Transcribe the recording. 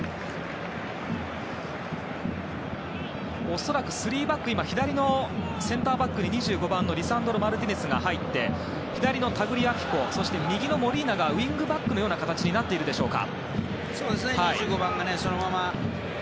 恐らく３バック左のセンターバックに２５番のリサンドロ・マルティネスが入って左のタグリアフィコそして右のモリーナがウィングバックのような形になっているでしょうか。